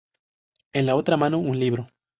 En la otra mano, un libro.